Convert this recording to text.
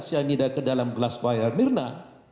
syanida ke dalam gelas wain mirna